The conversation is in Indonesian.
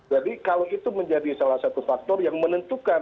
jadi kalau itu menjadi salah satu faktor yang menentukan